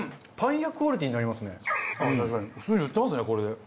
パン屋クオリティーになりますね。